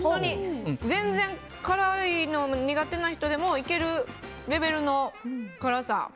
全然、辛いの苦手な人でもいけるレベルの辛さ。